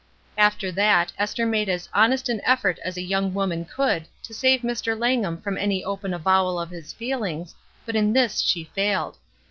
After that, Esther made as honest an effort as a young woman could to save Mr. Langham from any open avowal of his feelings, but in this she failed.